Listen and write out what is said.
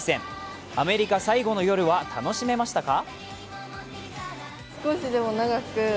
アメリカ最後の夜は楽しめましたか？